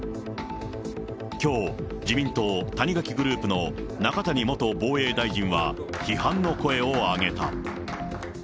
きょう、自民党、谷垣グループの中谷元防衛大臣は批判の声を上げた。